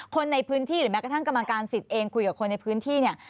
คนในพื้นที่หรือแม้กระทั่งกรรมการสิทธิ์เองคุยกับคนในพื้นที่เนี่ย